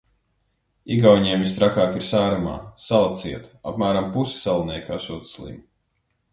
Igauņiem vistrakāk ir Sāremā, sala ciet, apmēram puse salinieku esot slimi.